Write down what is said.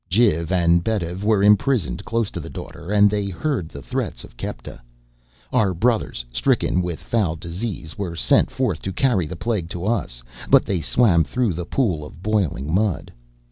"Jiv and Betv were imprisoned close to the Daughter and they heard the threats of Kepta. Our brothers, stricken with foul disease, were sent forth to carry the plague to us, but they swam through the pool of boiling mud.